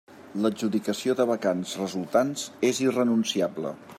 L'adjudicació de vacants resultants és irrenunciable.